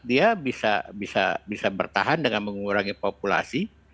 dia bisa bertahan dengan mengurangi populasi